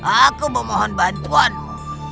aku memohon bantuanmu